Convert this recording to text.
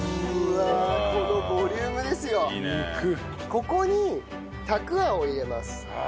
ここにたくあんを入れます。